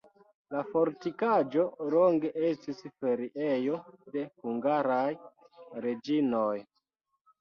La fortikaĵo longe estis feriejo de hungaraj reĝinoj.